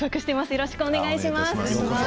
よろしくお願いします。